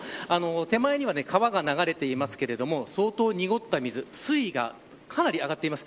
手前には川が流れていますが相当濁った水で水位も上がっています。